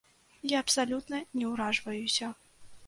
Я абсалютна не ўражваюся.